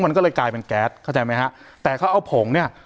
มันก็เลยกลายเป็นแก๊สเข้าใจไหมฮะแต่เขาเอาผงเนี่ย